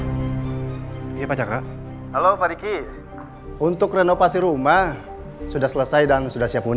halo pak chakra halo pak diki untuk renovasi rumah sudah selesai dan sudah siapun